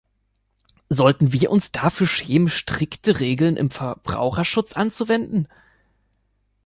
Sollten wir uns dafür schämen, strikte Regeln im Verbraucherschutz anzuwenden?